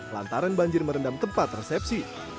lantaran banjir merendam tempat resepsi